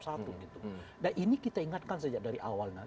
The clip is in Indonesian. nah ini kita ingatkan sejak dari awalnya